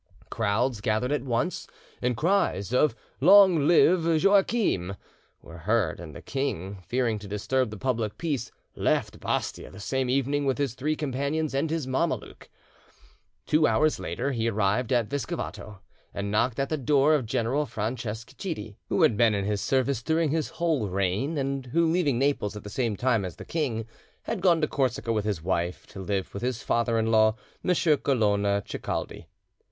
Crowds gathered at once, and cries of "Long live Joachim!" were heard, and the king, fearing to disturb the public peace, left Bastia the same evening with his three companions and his Mameluke. Two hours later he arrived at Viscovato, and knocked at the door of General Franceschetti, who had been in his service during his whole reign, and who, leaving Naples at the same time as the king, had gone to Corsica with his wife, to live with his father in law, M. Colonna Cicaldi.